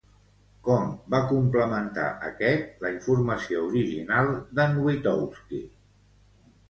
Com va complementar aquest la informació original d'en Witowski?